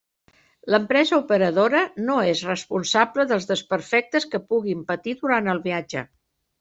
L'empresa operadora no és responsable dels desperfectes que puguin patir durant el viatge.